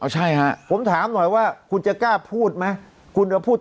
อ้อใช่ผมถามหน่อยว่าคุณจะกล้าพูดไหมคุณเอาพูดติด